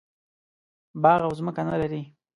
باغ او ځمکه نه لري.